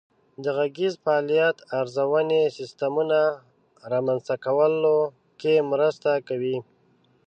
د غږیز فعالیت ارزونې سیسټمونه رامنځته کولو کې مرسته کوي.